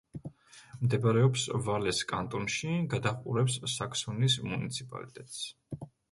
მდებარეობს ვალეს კანტონში; გადაჰყურებს საქსონის მუნიციპალიტეტს.